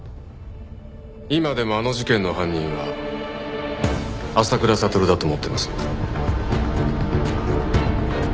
今でもあの事件の犯人は浅倉悟だと思っていますよ。